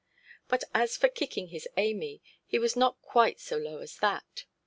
But as for kicking his Amy, he was not quite so low as that.